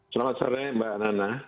selamat sore mbak nana